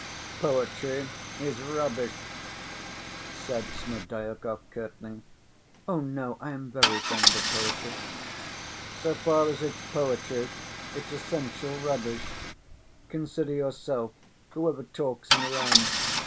"Poetry is rubbish!" said Smerdyakov curtly. "Oh, no! I am very fond of poetry." "So far as it's poetry, it's essential rubbish. Consider yourself, who ever talks in rhyme?